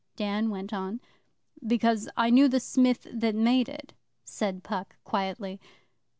Dan went on. 'Because I knew the Smith that made it,' said Puck quietly.